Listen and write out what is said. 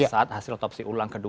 saat hasil otopsi ulang kedua